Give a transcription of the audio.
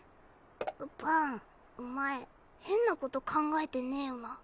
バンお前変なこと考えてねぇよな？